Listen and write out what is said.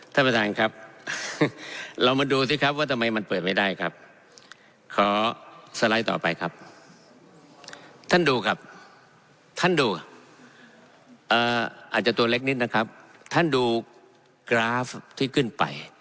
ท่านประธานครับเรามาดูสิครับว่าทำไมมันเปิดไม่ได้ครับขอสไลด์ต่อไปครับท่านดูครับท่านดูอาจจะตัวเล็กนิดนะครับท่านดูกราฟที่ขึ้นไป